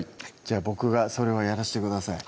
僕がそれをやらしてください